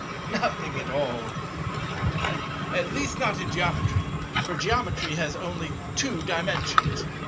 "Nothing at all," replied I, "not at least in Geometry; for Geometry has only Two Dimensions."